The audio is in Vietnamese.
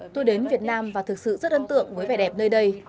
tôi đến việt nam và thực sự rất ấn tượng với vẻ đẹp nơi đây